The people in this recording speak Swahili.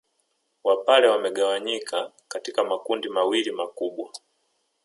Wapare wamegawanyika katika makundi mawili makubwa